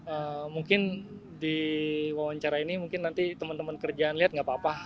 ee mungkin di wawancara ini mungkin nanti temen temen kerjaan liat gak apa apa